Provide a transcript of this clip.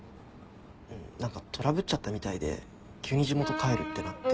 何かトラブっちゃったみたいで急に地元帰るってなって。